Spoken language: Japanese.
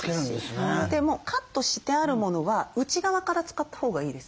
もうカットしてあるものは内側から使ったほうがいいです。